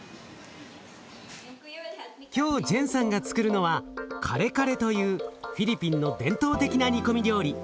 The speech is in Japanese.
今日ジェンさんがつくるのはカレカレというフィリピンの伝統的な煮込み料理。